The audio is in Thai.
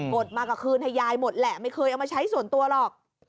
ดมาก็คืนให้ยายหมดแหละไม่เคยเอามาใช้ส่วนตัวหรอก